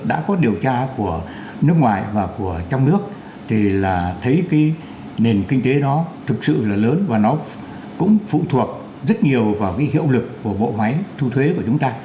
đã có điều tra của nước ngoài và của trong nước thì là thấy cái nền kinh tế đó thực sự là lớn và nó cũng phụ thuộc rất nhiều vào cái hiệu lực của bộ máy thu thuế của chúng ta